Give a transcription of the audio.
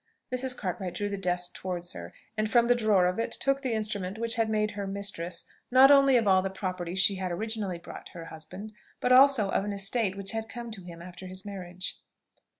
Mrs. Cartwright drew the desk towards her, and from the drawer of it took the instrument which had made her mistress, not only of all the property she had originally brought her husband, but also of an estate which had come to him after his marriage.